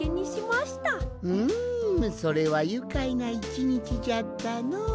うんそれはゆかいな１にちじゃったのう。